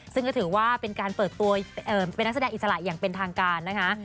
ซึ่งก็ถือว่าเป็นการเปิดตัวเป็นนักแสดงอิสระอย่างเป็นทางการนะคะ